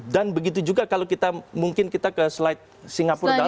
dan begitu juga kalau kita mungkin kita ke slide singapore dollar ya